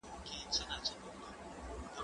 زه کولای سم مځکي ته وګورم؟!